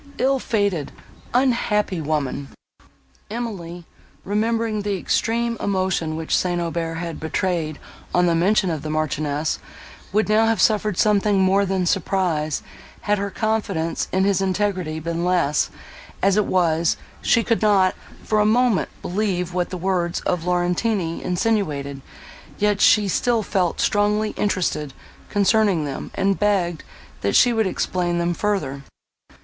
Ill fated, unhappy woman!" Emily, remembering the extreme emotion which St. Aubert had betrayed on the mention of the Marchioness, would now have suffered something more than surprise, had her confidence in his integrity been less; as it was, she could not, for a moment, believe what the words of Laurentini insinuated; yet she still felt strongly interested, concerning them, and begged, that she would explain them further.